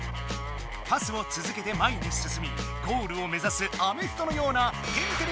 パスをつづけて前にすすみゴールをめざすアメフトのような「天てれ」